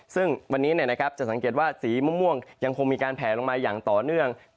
ซึ่งวันนี้จะสังเกตว่าสีม่วงยังคงมีการแผลลงมาอย่างต่อเนื่อง